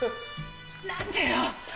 何でよ。